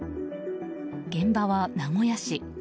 現場は名古屋市。